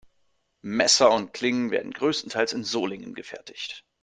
Messer und Klingen werden größtenteils in Solingen gefertigt.